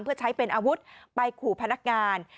เพื่อใช้เป็นอาวุธไปขู่พนักงาน